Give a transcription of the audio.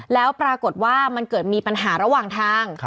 แล้วปรากฏว่ามันเกิดมีปัญหาระหว่างทาง